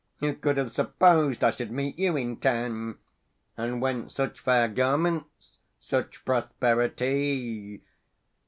Who could have supposed I should meet you in Town? And whence such fair garments, such prosperi ty?"